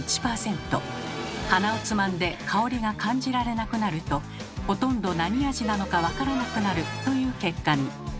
鼻をつまんで香りが感じられなくなるとほとんど何味なのかわからなくなるという結果に。